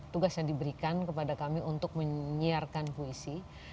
tugas yang diberikan kepada kami untuk menyiarkan puisi